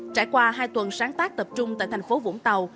trải qua hai tuần sáng tác tập trung tại thành phố vũng tàu